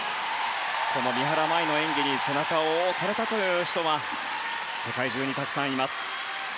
三原舞依の演技に背中を押されたという人は世界中にたくさんいます。